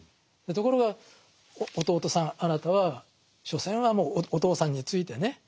ところが弟さんあなたは所詮はもうお父さんについてね